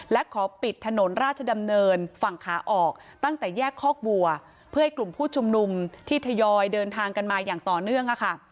และขอปิดถนนราชดำเนินฝั่งขาออกตั้งแต่แยกคอกบัวเพื่อให้กลุ่มผู้ชุมนุมที่ทยอยเดินทางกันมาอย่างต่อเนื่อง